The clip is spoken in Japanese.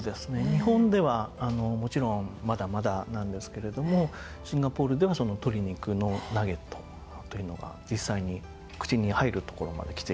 日本ではもちろんまだまだなんですけれどもシンガポールではその鶏肉のナゲットというのが実際に口に入るところまできている。